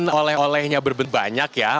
dan oleh olehnya berbentuk banyak ya